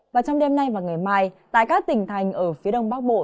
và trong đêm nay và ngày mai tại các tỉnh thành ở phía đông bắc bộ